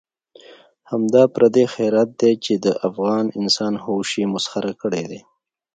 همدا پردی خیرات دی چې د افغان انسان هوش یې مسخره کړی دی.